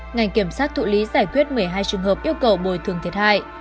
ngành kiểm sát thụ lý giải quyết một mươi hai trường hợp yêu cầu bồi thường thiệt hại